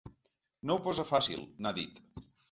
No ho posa fàcil, n’ha dit.